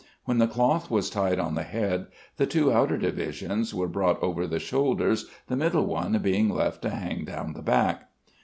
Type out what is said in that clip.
When the cloth was tied on the head, the two outer divisions were brought over the shoulders, the middle one being left to hang down the back.